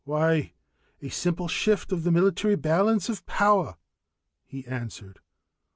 "Why, a simple shift of the military balance of power," he answered.